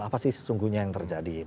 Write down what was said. apa sih sesungguhnya yang terjadi